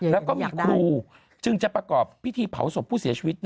แล้วก็มีครูจึงจะประกอบพิธีเผาศพผู้เสียชีวิต